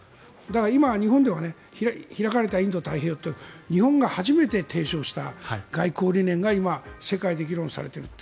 今、日本では開かれたインド太平洋って日本が初めて提唱した外交理念が今、世界で議論されてるって。